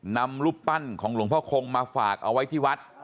นำรูปปั้นของหลวงพ่อคงมาฝากเอาไว้ที่วัด